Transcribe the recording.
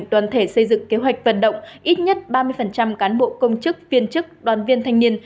đoàn thể xây dựng kế hoạch vận động ít nhất ba mươi cán bộ công chức viên chức đoàn viên thanh niên